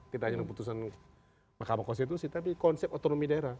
tidak hanya keputusan mahkamah konstitusi tapi konsep otonomi daerah